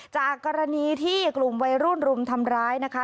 จากกรณีที่กลุ่มวัยรุ่นรุมทำร้ายนะคะ